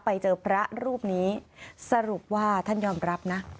ไปเจอพระรูปนี้สรุปว่าท่านยอมรับนะ